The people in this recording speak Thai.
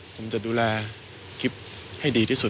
ผมจะดูแลคลิปให้ดีที่สุด